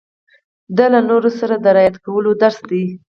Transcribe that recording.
دا له نورو سره د رعايت کولو درس دی.